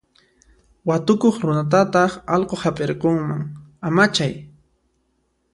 Watukuq runatataq allqu hap'irqunman, amachay.